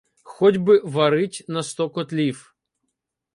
Хотьби варить на сто котлів.